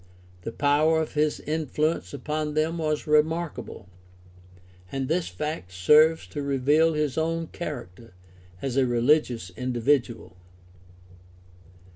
The power of his influence upon them was remark able, and this fact serves to reveal his own character as a religious individual.